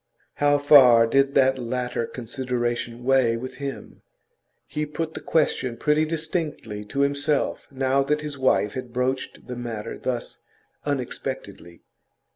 How far did that latter consideration weigh with him? He put the question pretty distinctly to himself now that his wife had broached the matter thus unexpectedly.